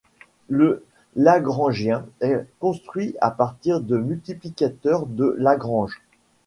Le Lagrangien est construit à partir des multiplicateurs de Lagrange.